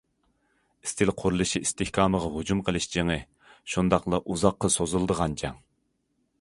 ئىستىل قۇرۇلۇشى ئىستىھكامغا ھۇجۇم قىلىش جېڭى، شۇنداقلا ئۇزاققا سوزۇلىدىغان جەڭ.